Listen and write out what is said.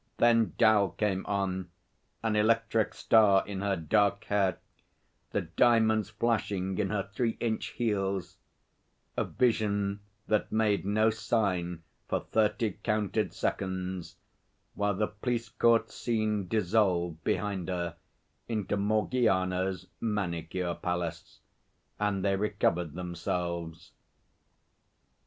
Then 'Dal came on, an electric star in her dark hair, the diamonds flashing in her three inch heels a vision that made no sign for thirty counted seconds while the police court scene dissolved behind her into Morgiana's Manicure Palace, and they recovered themselves.